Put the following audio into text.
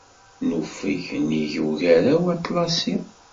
Nufeg nnig Ugaraw Aṭlasi.